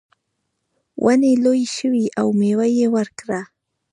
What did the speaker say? ونې لویې شوې او میوه یې ورکړه.